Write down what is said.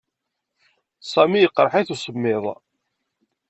Sami yeqreḥ-it usemmiḍ.